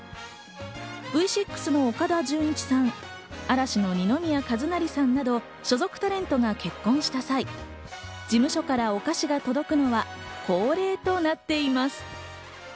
Ｖ６の岡田准一さん、嵐の二宮和也さんなど所属タレントが結婚した際、事務所からお菓子が届くのは恒例となっています。